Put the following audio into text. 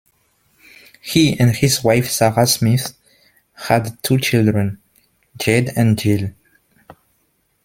He and his wife, Sara Smith, had two children, Jed and Jill.